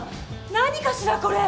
何かしらこれ！